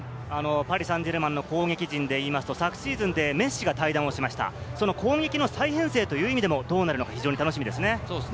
パリ・サンジェルマンの攻撃陣で言いますと、昨シーズンでメッシが退団をしました、その攻撃の再編成という意味でもどうなるかが楽しみですね。